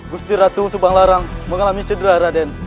gusti ratu subang larang mengalami cedera raden